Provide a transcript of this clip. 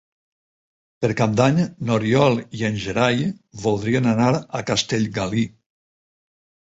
Per Cap d'Any n'Oriol i en Gerai voldrien anar a Castellgalí.